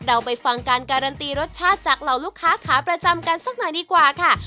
เราไปฟังการการันตีรสชาติจากเหล่าลูกค้าขาประจำกันสักหน่อยดีกว่าค่ะ